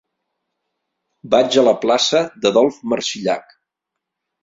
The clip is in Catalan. Vaig a la plaça d'Adolf Marsillach.